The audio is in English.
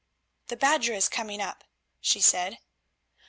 "The Badger is coming up," she said.